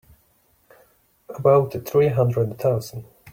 About three hundred thousand.